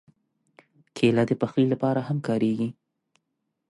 کېله د پخلي لپاره هم کارېږي.